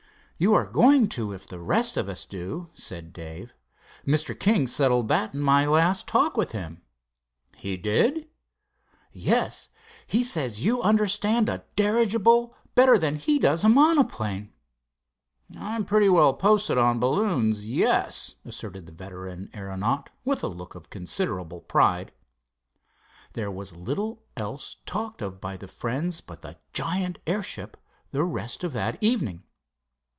"You are going to, if the rest of us do," said Dave. "Mr. King settled that in my last talk with him." "He did?" "Yes. He says you understand a dirigible better than he does a monoplane." "I'm pretty well posted on balloons, yes," asserted the veteran aeronaut, with a look of considerable pride. There was little else talked of by the friends but the giant airship the rest of that evening.